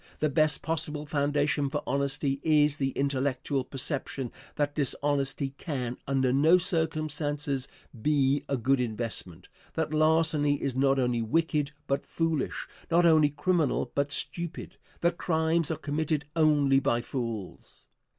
The best possible foundation for honesty is the intellectual perception that dishonesty can, under no circumstances, be a good investment that larceny is not only wicked, but foolish not only criminal, but stupid that crimes are committed only by fools.